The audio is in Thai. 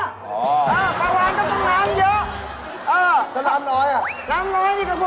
เออคือก็ถึงน้ำน้อยน่ะ